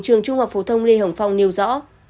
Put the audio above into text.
trường trung học phổ thông lê hồng phong nêu rõ